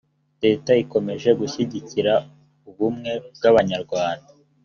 leta ikomeje gushyigikira ubumwe bw’abanyarwanda